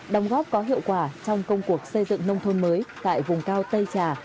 đóng góp có hiệu quả trong công cuộc xây dựng nông thôn mới tại vùng cao tây trà